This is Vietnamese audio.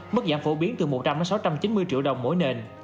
mức giảm phổ biến từ một trăm linh sáu trăm chín mươi triệu đồng mỗi nền